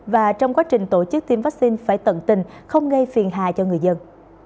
và trong quá trình tổ chức tiêm vaccine phải tận tình không gây phiền hà cho người dân